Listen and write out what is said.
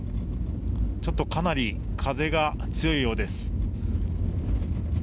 ちょっとかなり風が強いようです。